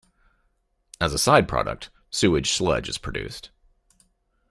As a side product, sewage sludge is produced.